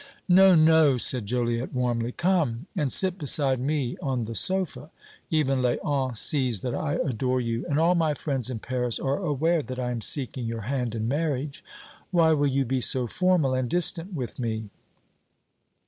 "No, no," said Joliette, warmly; "come and sit beside me on the sofa. Even Léon sees that I adore you, and all my friends in Paris are aware that I am seeking your hand in marriage. Why will you be so formal and distant with me!"